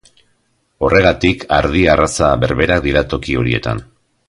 Horregatik, ardi arraza berberak dira toki horietan.